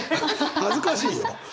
恥ずかしいよ。